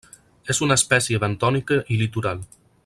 És una espècie bentònica i litoral.